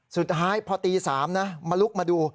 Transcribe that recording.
สุดท้ายพอตี๓นะมาลุกมาดู